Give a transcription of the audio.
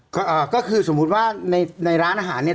ก็คือสมมุติว่าในในร้านอาหารเนี่ย